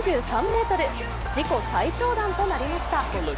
自己最長弾となりました。